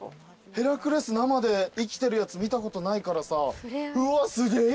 ヘラクレス生で生きてるやつ見たことないからさ。